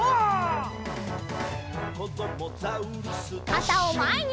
かたをまえに！